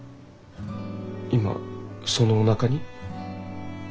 今そのおなかに？